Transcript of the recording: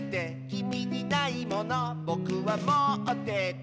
「きみにないものぼくはもってて」